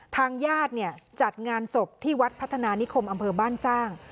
ทางญาติเนี่ยจัดงานศพที่วัดพัฒนานิคมอำเภอบ้านสร้าง